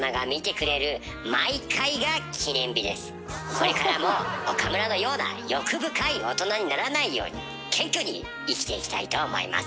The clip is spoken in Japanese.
これからも岡村のような欲深い大人にならないように謙虚に生きていきたいと思います。